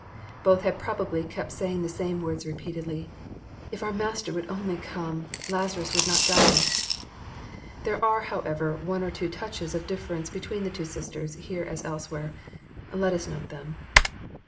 Both had probably kept saying the same words repeatedly, *< If our Master would only come, Lazarus would not die." There are, however, one or two touches of difl'er ence between the two sisters, here as elsewhere. Let us note them.